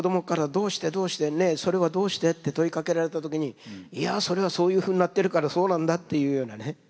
ねえそれはどうして？」って問いかけられた時に「いやそれはそういうふうになってるからそうなんだ」っていうようなね